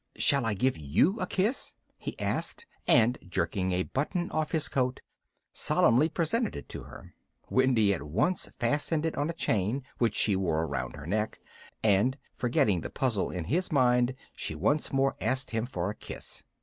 "Shall I give you a kiss?" he asked and, jerking a button off his coat, solemnly presented it to her. Wendy at once fastened it on a chain which she wore round her neck, and, forgetting the puzzle in his mind, she once more asked him for a kiss.